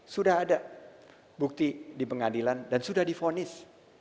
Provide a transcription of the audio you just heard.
sudah ada bukti di pengadilan dan sudah difonis